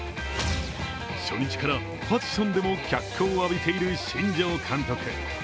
初日からファッションでも脚光を浴びている新庄監督。